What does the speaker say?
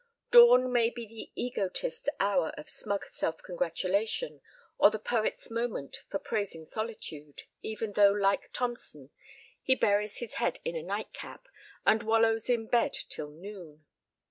Dawn may be the egotist's hour of smug self congratulation, or the poet's moment for praising solitude, even though like Thomson he buries his head in a nightcap, and wallows in bed till noon.